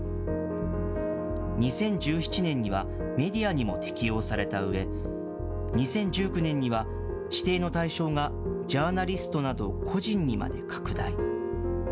２０１７年にはメディアにも適用されたうえ、２０１９年には、指定の対象がジャーナリストなど個人にまで拡大。